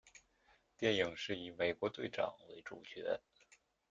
电影是以美国队长为主角。